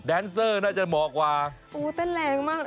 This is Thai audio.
แนนเซอร์น่าจะเหมาะกว่าโอ้เต้นแรงมาก